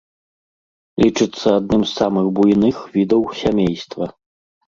Лічыцца адным з самых буйных відаў сямейства.